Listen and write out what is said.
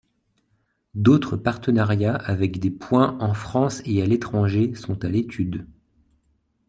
D'autres partenariats avec des points en France et à l'étranger sont à l'étude.